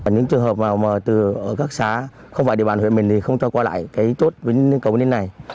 những trường hợp mà từ các xá không phải địa bàn huyện mình thì không cho qua lại cái chốt cầu đến đây này